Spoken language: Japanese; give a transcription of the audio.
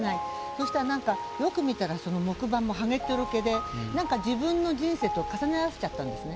そしたらなんかよく見たらその木馬もはげっつるけでなんか自分の人生と重ね合わせちゃったんですね。